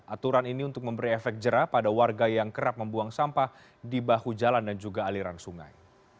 aturan ini untuk memberi efek jerah pada warga yang kerap membuang sampah di bahu jalan dan juga aliran sungai